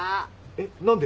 えっ何で？